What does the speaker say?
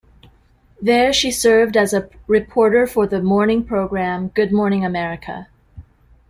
There she served as a reporter for the morning program "Good Morning America".